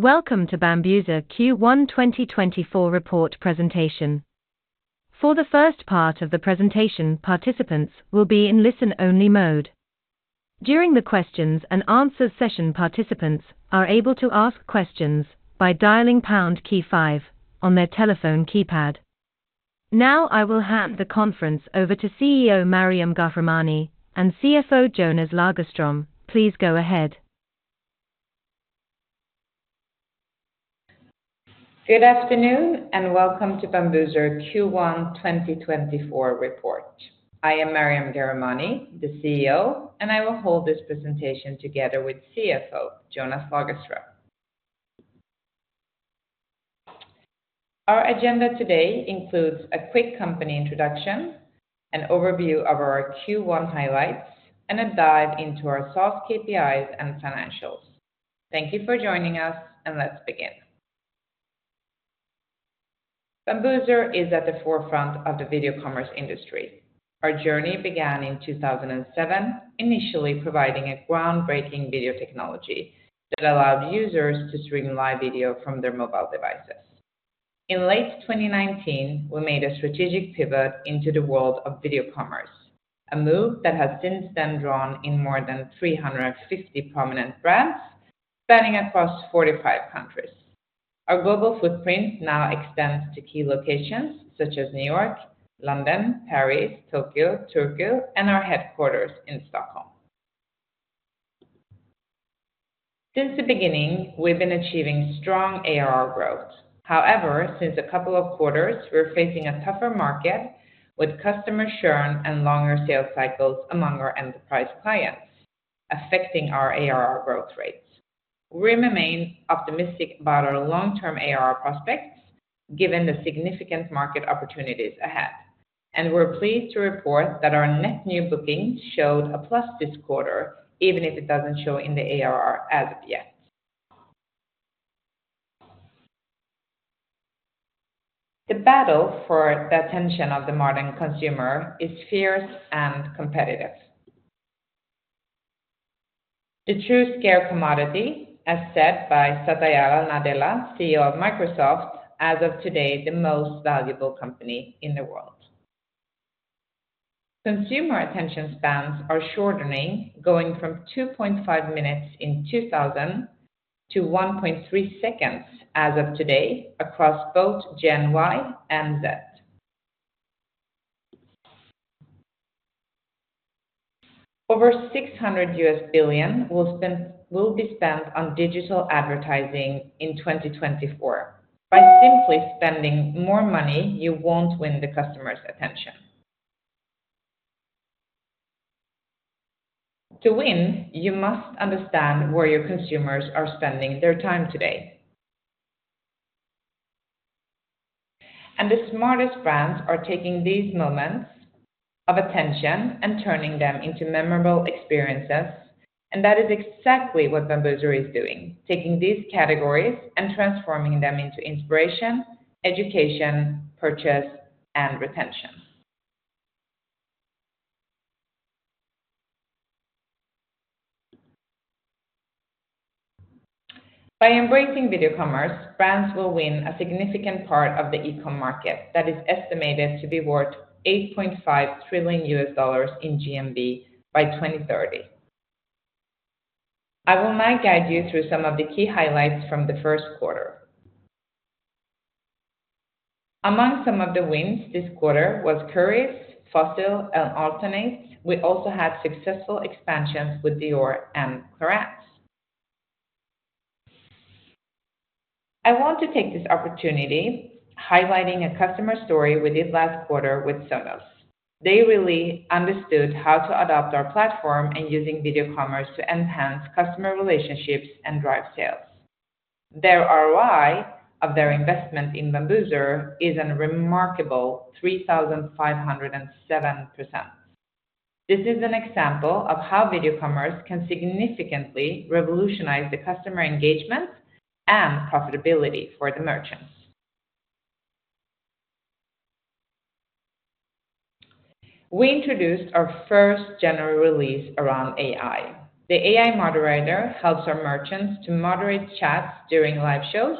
Welcome to Bambuser Q1 2024 report presentation. For the first part of the presentation, participants will be in listen-only mode. During the questions and answers session, participants are able to ask questions by dialing pound key five on their telephone keypad. Now, I will hand the conference over to CEO Maryam Ghahremani and CFO Jonas Lagerström. Please go ahead. Good afternoon, and welcome to Bambuser Q1 2024 report. I am Maryam Ghahremani, the CEO, and I will hold this presentation together with CFO, Jonas Lagerström. Our agenda today includes a quick company introduction, an overview of our Q1 highlights, and a dive into our soft KPIs and financials. Thank you for joining us, and let's begin. Bambuser is at the forefront of the video commerce industry. Our journey began in 2007, initially providing a groundbreaking video technology that allowed users to stream live video from their mobile devices. In late 2019, we made a strategic pivot into the world of video commerce, a move that has since then drawn in more than 350 prominent brands, spanning across 45 countries. Our global footprint now extends to key locations such as New York, London, Paris, Tokyo, Turkey, and our headquarters in Stockholm. Since the beginning, we've been achieving strong ARR growth. However, since a couple of quarters, we're facing a tougher market, with customer churn and longer sales cycles among our enterprise clients, affecting our ARR growth rates. We remain optimistic about our long-term ARR prospects, given the significant market opportunities ahead, and we're pleased to report that our net new bookings showed a plus this quarter, even if it doesn't show in the ARR as of yet. The battle for the attention of the modern consumer is fierce and competitive. "The true scale commodity," as said by Satya Nadella, CEO of Microsoft, as of today, the most valuable company in the world. Consumer attention spans are shortening, going from 2.5 minutes in 2000 to 1.3 seconds as of today, across both Gen Y and Z. Over $600 billion will be spent on digital advertising in 2024. By simply spending more money, you won't win the customer's attention. To win, you must understand where your consumers are spending their time today. And the smartest brands are taking these moments of attention and turning them into memorable experiences, and that is exactly what Bambuser is doing, taking these categories and transforming them into inspiration, education, purchase, and retention. By embracing video commerce, brands will win a significant part of the e-com market that is estimated to be worth $8.5 trillion in GMV by 2030. I will now guide you through some of the key highlights from the first quarter. Among some of the wins this quarter was Currys, Fossil, and Altar'd State. We also had successful expansions with Dior and Clarins. I want to take this opportunity, highlighting a customer story we did last quarter with Sonos. They really understood how to adopt our platform and using video commerce to enhance customer relationships and drive sales. Their ROI of their investment in Bambuser is a remarkable 3,507%. This is an example of how video commerce can significantly revolutionize the customer engagement and profitability for the merchants. We introduced our first general release around AI. The AI moderator helps our merchants to moderate chats during live shows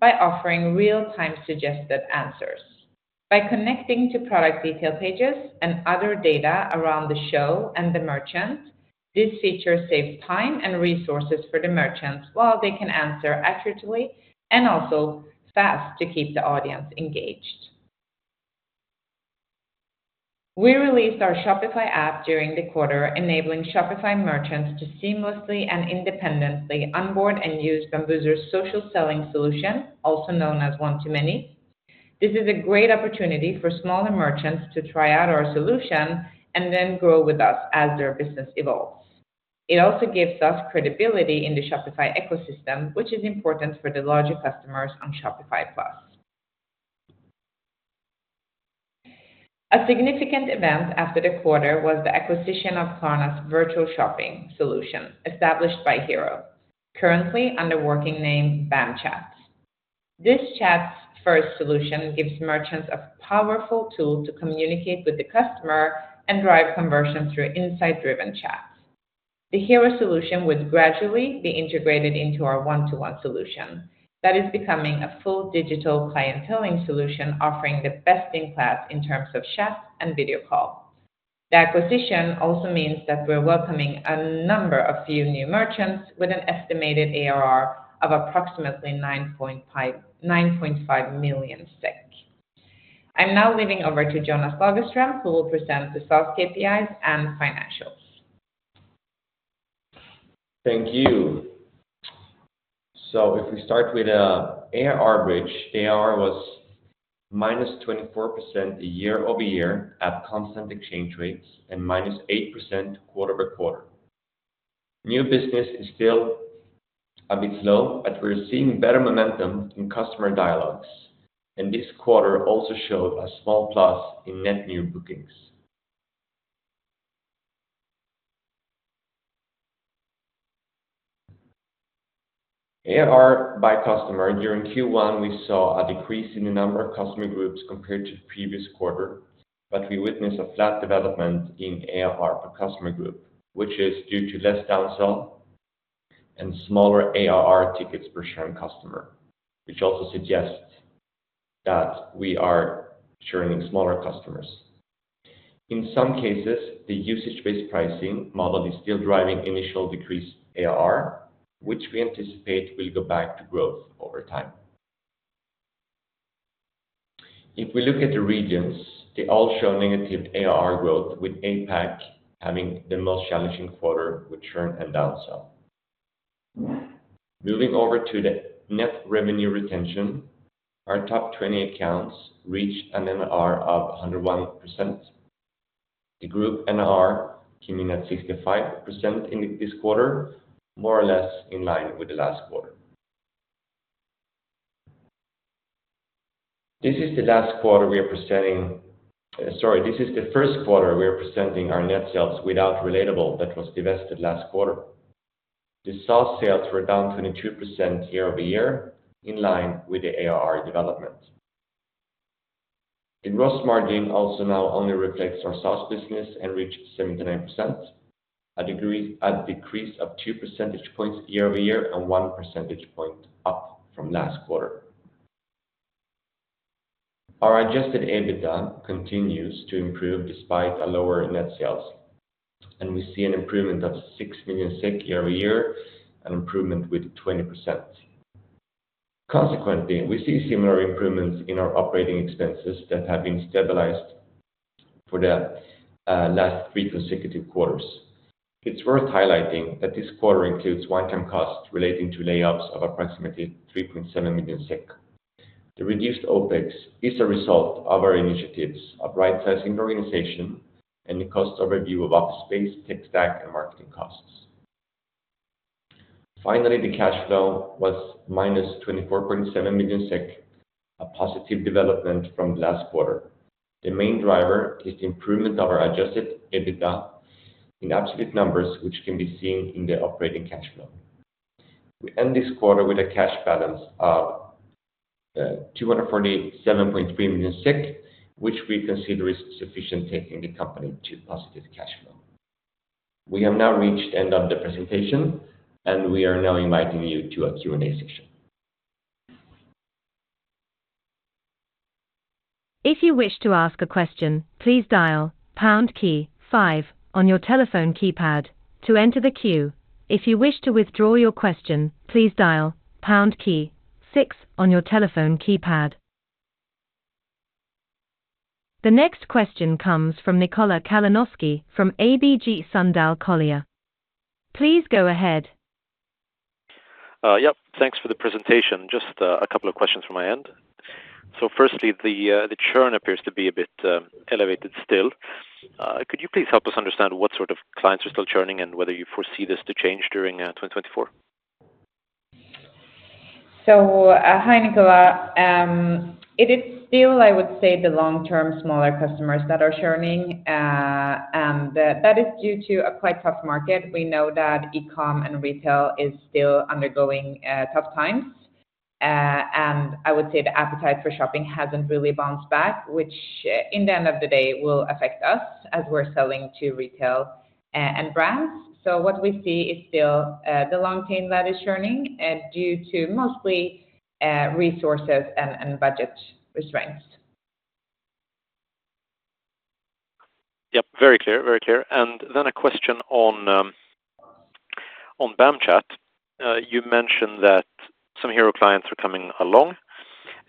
by offering real-time suggested answers. By connecting to product detail pages and other data around the show and the merchant, this feature saves time and resources for the merchants, while they can answer accurately and also fast to keep the audience engaged. We released our Shopify app during the quarter, enabling Shopify merchants to seamlessly and independently onboard and use Bambuser's social selling solution, also known as One-to-Many. This is a great opportunity for smaller merchants to try out our solution and then grow with us as their business evolves. It also gives us credibility in the Shopify ecosystem, which is important for the larger customers on Shopify Plus. A significant event after the quarter was the acquisition of Klarna's virtual shopping solution, established by Hero, currently under working name, Bamchat. This chat first solution gives merchants a powerful tool to communicate with the customer and drive conversion through insight-driven chats. The Hero solution would gradually be integrated into our One-to-One solution. That is becoming a full digital clienteling solution, offering the best in class in terms of chat and video call. The acquisition also means that we're welcoming a number of few new merchants with an estimated ARR of approximately 9.5 million SEK. I'm now leaving over to Jonas Lagerström, who will present the SaaS KPIs and financials. Thank you. So if we start with ARR bridge, ARR was -24% year-over-year at constant exchange rates, and -8% quarter-over-quarter. New business is still a bit slow, but we're seeing better momentum in customer dialogues, and this quarter also showed a small plus in net new bookings. ARR by customer, during Q1, we saw a decrease in the number of customer groups compared to the previous quarter, but we witnessed a flat development in ARR per customer group, which is due to less downsell and smaller ARR tickets per churn customer, which also suggests that we are churning smaller customers. In some cases, the usage-based pricing model is still driving initial decreased ARR, which we anticipate will go back to growth over time. If we look at the regions, they all show negative ARR growth, with APAC having the most challenging quarter with churn and downsell. Moving over to the net revenue retention, our top 20 accounts reached an NR of 101%. The group NR came in at 65% in this quarter, more or less in line with the last quarter. This is the last quarter we are presenting, sorry, this is the first quarter we are presenting our net sales without Relatable, that was divested last quarter. The SaaS sales were down 22% year-over-year, in line with the ARR development. The gross margin also now only reflects our SaaS business and reached 79%, a decrease a decrease of 2 percentage points year-over-year and 1 percentage point up from last quarter. Our adjusted EBITDA continues to improve despite a lower net sales, and we see an improvement of 6 million year-over-year, an improvement with 20%. Consequently, we see similar improvements in our operating expenses that have been stabilized for the last three consecutive quarters. It's worth highlighting that this quarter includes one-time costs relating to layoffs of approximately 3.7 million SEK. The reduced OpEx is a result of our initiatives of right-sizing the organization and the cost overview of office space, tech stack, and marketing costs. Finally, the cash flow was -24.7 million SEK, a positive development from last quarter. The main driver is the improvement of our adjusted EBITDA in absolute numbers, which can be seen in the operating cash flow. We end this quarter with a cash balance of 247.3 million, which we consider is sufficient, taking the company to positive cash flow. We have now reached end of the presentation, and we are now inviting you to a Q&A session. If you wish to ask a question, please dial pound key five on your telephone keypad to enter the queue. If you wish to withdraw your question, please dial pound key six on your telephone keypad. The next question comes from Nikola Kalanoski from ABG Sundal Collier. Please go ahead. Yep, thanks for the presentation. Just a couple of questions from my end. So firstly, the churn appears to be a bit elevated still. Could you please help us understand what sort of clients are still churning and whether you foresee this to change during 2024? So, hi, Nikola. It is still, I would say, the long-term smaller customers that are churning. And that is due to a quite tough market. We know that e-com and retail is still undergoing tough times. And and I would say the appetite for shopping hasn't really bounced back, which, in the end of the day, will affect us as we're selling to retail and brands. So what we see is still the long tail that is churning due to mostly resources and budget restraints. Yep, very clear. Very clear. And then a question on on Bamchat. You mentioned that some Hero clients are coming along.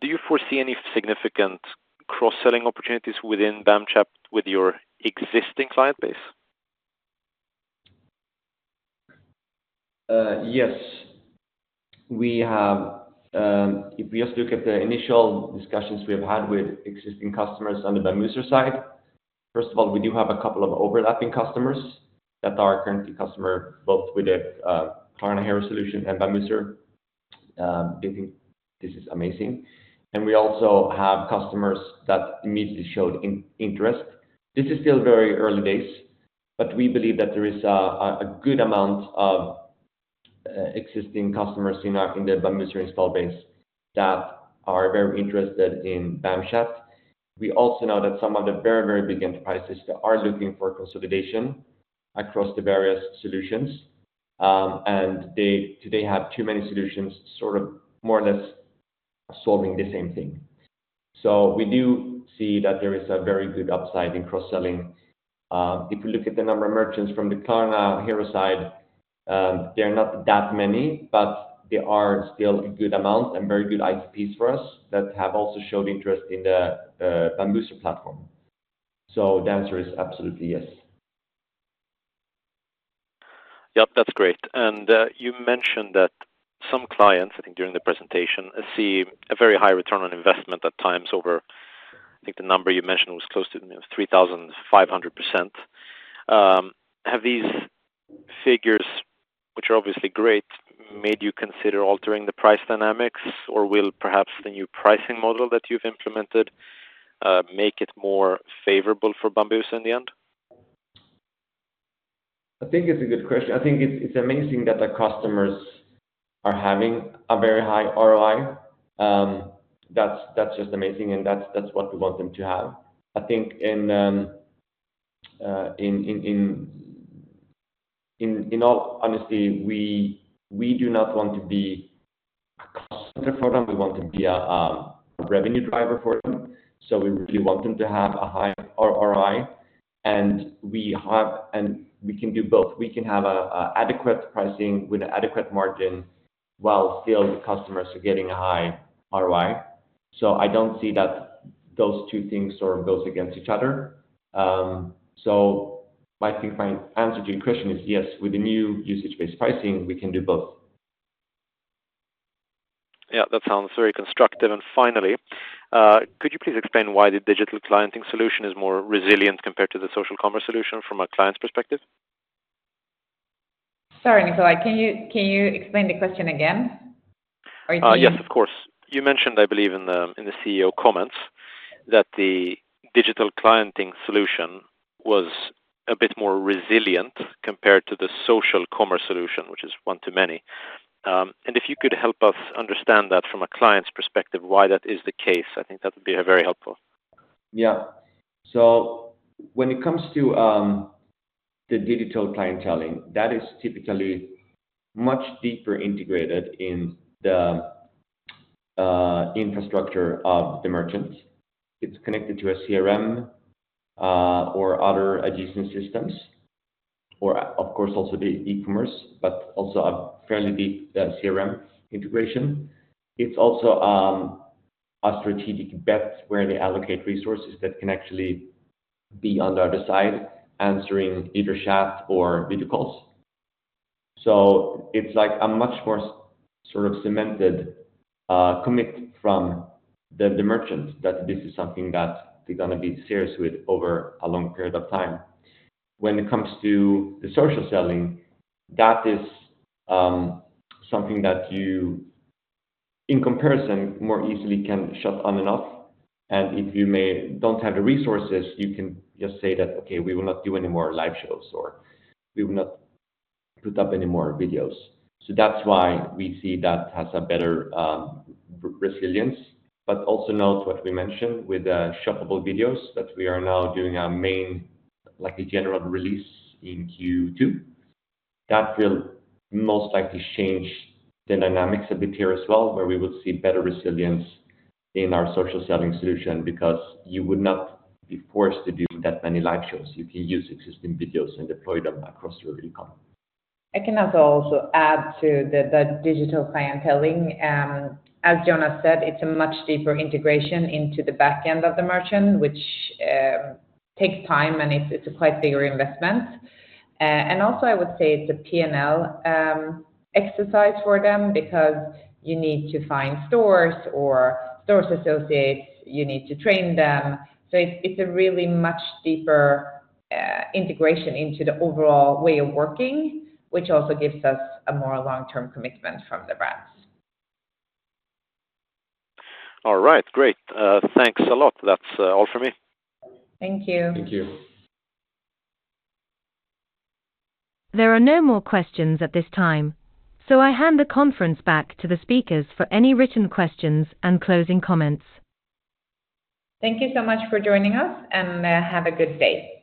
Do you foresee any significant cross-selling opportunities within Bamchat with your existing client base? Yes. We have— If we just look at the initial discussions we have had with existing customers on the Bambuser side, first of all, we do have a couple of overlapping customers that are currently customer, both with the Klarna Hero solution and Bambuser. They think this is amazing. And we also have customers that immediately showed interest. This is still very early days. But we believe that there is a good amount of existing customers in our Bambuser install base that are very interested in Bamchat. We also know that some of the very, very big enterprises are looking for consolidation across the various solutions, and they today have too many solutions, sort of more or less solving the same thing. So we do see that there is a very good upside in cross-selling. If you look at the number of merchants from the Klarna/Hero side, they're not that many, but they are still a good amount and very good IPs for us that have also showed interest in the Bambuser platform. So the answer is absolutely, yes. Yeah, that's great. And, you mentioned that some clients, I think during the presentation, see a very high return on investment at times over, I think the number you mentioned was close to 3,500%. Have these figures, which are obviously great, made you consider altering the price dynamics, or will perhaps the new pricing model that you've implemented make it more favorable for Bambuser in the end? I think it's a good question. I think it's amazing that the customers are having a very high ROI. That's that's just amazing, and that's that's what we want them to have. I think in in in all honesty, we do not want to be a customer for them. We want to be a revenue driver for them. So we really want them to have a high ROI, and we can do both. We can have a adequate pricing with an adequate margin, while still the customers are getting a high ROI. So I don't see that those two things sort of goes against each other. So I think my answer to your question is yes, with the new usage-based pricing, we can do both. Yeah, that sounds very constructive. And finally, could you please explain why the digital clienteling solution is more resilient compared to the social commerce solution from a client's perspective? Sorry, Nikola, can you, can you explain the question again? Or you mean- Yes, of course. You mentioned, I believe in the, in the CEO comments, that the Digital Clienteling solution was a bit more resilient compared to the social commerce solution, which is One-to-Many. And if you could help us understand that from a client's perspective, why that is the case, I think that would be very helpful. Yeah. So when it comes to the Digital Clienteling, that is typically much deeper integrated in the infrastructure of the merchants. It's connected to a CRM, or other adjacent systems, or, of course, also the e-commerce, but also a fairly deep CRM integration. It's also a strategic bet where they allocate resources that can actually be on the other side, answering either chat or video calls. So it's like a much more sort of cemented commit from the merchants that this is something that they're gonna be serious with over a long period of time. When it comes to the social selling, that is something that you, in comparison, more easily can shut on and off. And if you don't have the resources, you can just say that, "Okay, we will not do any more live shows, or we will not put up any more videos." So that's why we see that has a better resilience. But also note what we mentioned with the shoppable videos, that we are now doing our main, like, a general release in Q2. That will most likely change the dynamics a bit here as well, where we will see better resilience in our social selling solution because you would not be forced to do that many live shows. You can use existing videos and deploy them across your e-commerce. I can also add to the Digital Clienteling. As Jonas said, it's a much deeper integration into the back end of the merchant, which takes time, and it's a quite bigger investment. And also I would say it's a P&L exercise for them because you need to find stores or store associates, you need to train them. So it's a really much deeper integration into the overall way of working, which also gives us a more long-term commitment from the brands. All right. Great. Thanks a lot. That's all for me. Thank you. Thank you. There are no more questions at this time, so I hand the conference back to the speakers for any written questions and closing comments. Thank you so much for joining us, and have a good day.